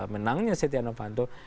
menangnya setia novanto